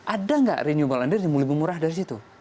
ada nggak renewable ender yang lebih murah dari situ